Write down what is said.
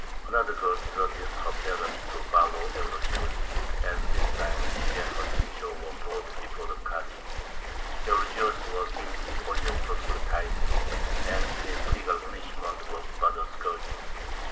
Another girl deserted her parents to follow Eulogius; and this time she and her teacher were brought before the Kādy. Eulogius was guilty only of proselytizing, and his legal punishment was but a scourging.